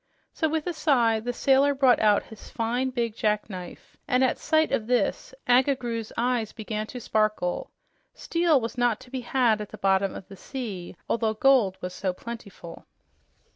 So with a sigh the sailor brought out his fine, big jackknife, and at sight of this Agga Groo's eyes began to sparkle. Steel was not to be had at the bottom of the sea, although gold was so plentiful.